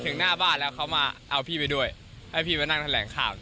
ถึงหน้าบ้านแล้วเขามาเอาพี่ไปด้วยให้พี่ไปนั่งแถลงข่าว